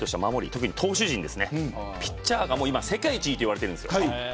特に投手陣、ピッチャーが世界一いいといわれてます。